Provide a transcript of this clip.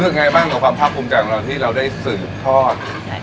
เจอแรงไงบ้างต่อความภาพภูมย์ใจของเราที่เราได้สื่นทอด